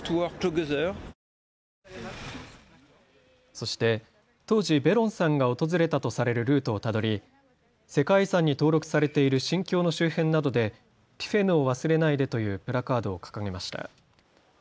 そして当時、ベロンさんが訪れたとされるルートをたどり世界遺産に登録されている神橋の周辺などでティフェヌを忘れないでというプラカードを掲げました。